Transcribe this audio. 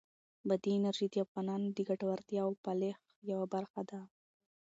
بادي انرژي د افغانانو د ګټورتیا او فلاح یوه برخه ده.